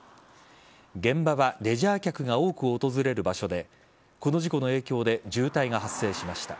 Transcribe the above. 現場はレジャー客が多く訪れる場所でこの事故の影響で渋滞が発生しました。